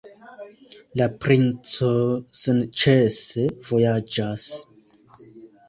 La princo senĉese vojaĝas.